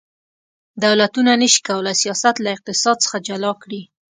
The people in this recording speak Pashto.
دولتونه نشي کولی سیاست له اقتصاد څخه جلا کړي